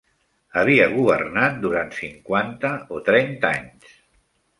Havia governat durant cinquanta o trenta anys.